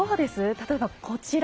例えばこちら。